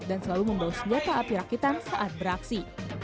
dan selalu membawa senjata api rakitan saat beraksi